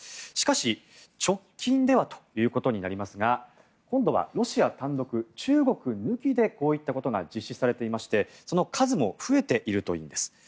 しかし、直近ではということになりますが今度はロシア単独中国抜きでこういったことが実施されていましてその数も増えているというんです。